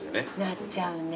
なっちゃうね。